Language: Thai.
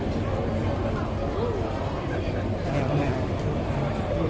สวัสดีครับ